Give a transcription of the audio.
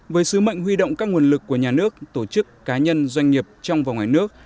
với sứ mệnh huy động các nguồn lực của nhà nước tổ chức cá nhân doanh nghiệp trong và ngoài nước